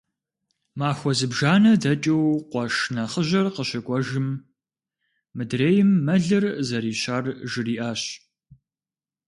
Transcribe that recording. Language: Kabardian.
Махуэ зыбжанэ дэкӀыу къуэш нэхъыжьыр къыщыкӀуэжым, мыдрейм мэлыр зэрищар жриӀащ.